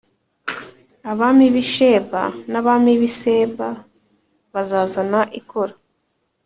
abami b’i sheba n’abami b’i seba bazazana ikoro.